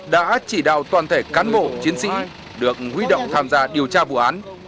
đã chỉ đạo toàn thể cán bộ chiến sĩ được huy động tham gia điều tra vụ án